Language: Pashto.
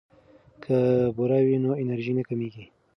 که بوره وي نو انرژي نه کمیږي.